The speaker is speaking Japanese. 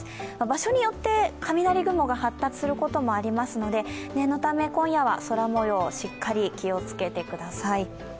場所によって雷雲が発達することもありますので、念のため今夜は空もようしっかり気をつけてください。